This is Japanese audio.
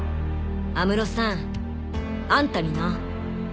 安室さんあんたにな！